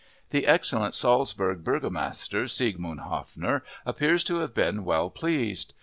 The excellent Salzburg burgomaster, Sigmund Haffner appears to have been well pleased.